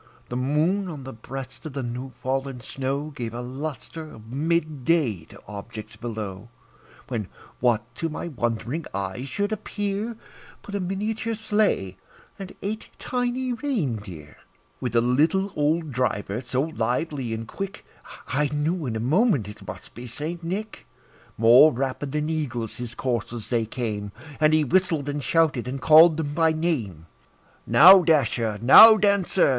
The moon, on the breast of the new fallen snow, Gave a lustre of mid day to objects below; When, what to my wondering eyes should appear, But a miniature sleigh, and eight tiny rein deer, With a little old driver, so lively and quick, I knew in a moment it must be St. Nick. More rapid than eagles his coursers they came, And he whistled, and shouted, and called them by name; "Now, Dasher! now, Dancer!